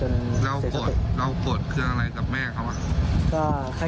แล้วโกรธคืออะไรกับแม่เขา